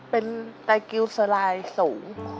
เป็นไตกิลสลายสูง